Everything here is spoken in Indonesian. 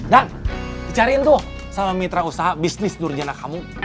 dang dicariin tuh sama mitra usaha bisnis nurjana kamu